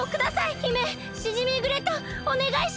姫シジミーグレイトおねがいします！